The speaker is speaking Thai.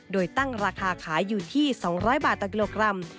โดยตั้งราคาขายอยู่ที่๒๐๐บาทต่อกิโลกรัม